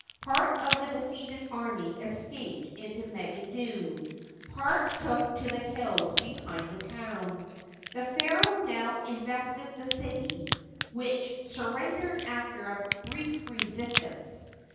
Part of the defeated army escaped into Megiddo, part took to the hills behind the town. The pharaoh now invested the city, which surrendered after a brief resist ance.